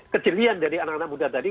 kejelian dari anak anak muda tadi